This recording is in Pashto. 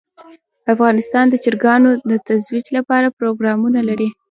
افغانستان د چرګانو د ترویج لپاره پروګرامونه لري.